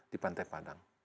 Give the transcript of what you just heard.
di pantai padang